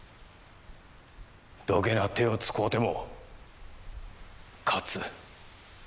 どげな手を使うても勝つ。